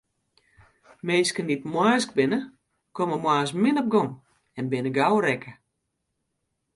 Minsken dy't moarnsk binne, komme moarns min op gong en binne gau rekke.